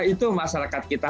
itu masyarakat kita